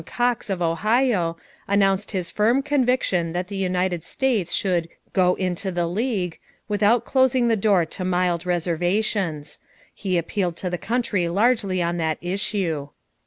Cox, of Ohio, announced his firm conviction that the United States should "go into the League," without closing the door to mild reservations; he appealed to the country largely on that issue.